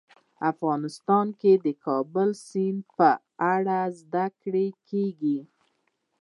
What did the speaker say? افغانستان کې د کابل سیند په اړه زده کړه کېږي.